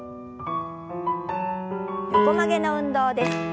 横曲げの運動です。